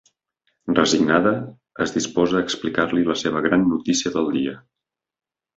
Resignada, es disposa a explicar-li la seva gran notícia del dia.